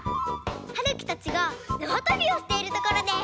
はるきたちがなわとびをしているところです。